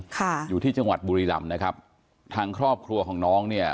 ค่ะอยู่ที่จังหวัดบุรีรำนะครับทางครอบครัวของน้องเนี่ย